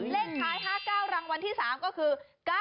เลขท้าย๕๙รางวัลที่๓ก็คือ๙๙